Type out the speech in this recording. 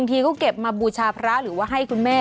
ทีก็เก็บมาบูชาพระหรือว่าให้คุณแม่